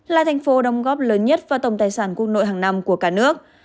là thành phố đồng góp lớn nhất vào tổng tài sản quốc nội hàng năm của cả nước